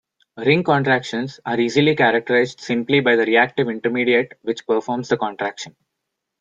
Ring contractions are easily characterized simply by the reactive intermediate which performs the contraction.